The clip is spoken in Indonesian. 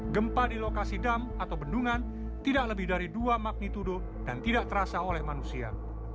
gempa di lokasi dam atau bendungan tidak lebih dari dua magnitudo dan tidak terasa oleh manusia